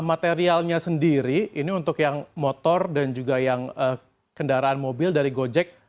materialnya sendiri ini untuk yang motor dan juga yang kendaraan mobil dari gojek